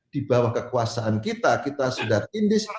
di bawah kekuasaan kita kita sudah tindis